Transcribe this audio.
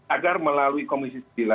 agar melalui komisi sembilan